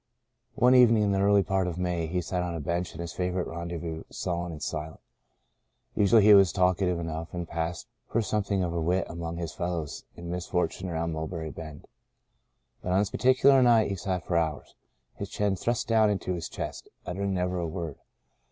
One evening in the early part of May he sat on a bench in his favourite rendezvous, sullen and silent. Usually he was talkative enough, and passed for something of a wit among his fellows in misfortune around Mul berry Bend. But on this particular night he sat for hours, his chin thrust down into his chest, uttering never a word.